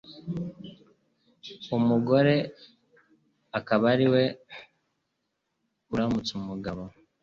umugore akaba ariwe uramutsa umugabo.